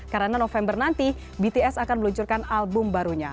karena november nanti bts akan meluncurkan album barunya